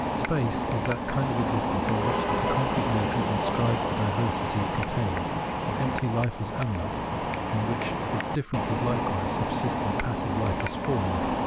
Space is that kind of existence on which the concrete notion inscribes the diversity it contains — an empty, lifeless element in which its differences likewise subsist in passive, hfeless form.